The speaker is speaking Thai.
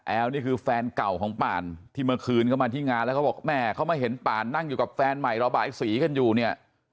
นี่คือแฟนเก่าของป่านที่เมื่อคืนเขามาที่งานแล้วเขาบอกแม่เขามาเห็นป่านนั่งอยู่กับแฟนใหม่ระบายสีกันอยู่เนี่ย